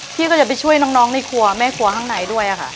พี่ก็จะไปช่วยน้องในครัวแม่ครัวข้างในด้วยค่ะ